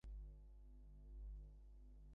তিনি 'যুগান্তর দল'-এর সাথে যুক্ত হয়েছিলেন।